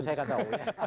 saya tidak tahu